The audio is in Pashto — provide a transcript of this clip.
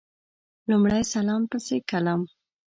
لمړی سلام پسي کلام